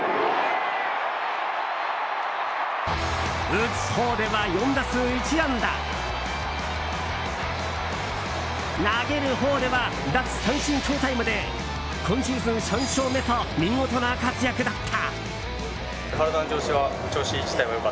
打つほうでは４打数１安打投げるほうでは奪三振ショウタイムで今シーズン３勝目と見事な活躍だった。